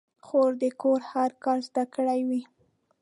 خور د کور هر کار زده کړی وي.